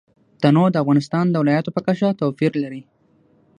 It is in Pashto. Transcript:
تنوع د افغانستان د ولایاتو په کچه توپیر لري.